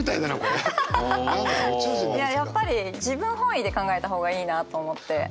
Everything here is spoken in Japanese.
いややっぱり自分本位で考えた方がいいなと思って。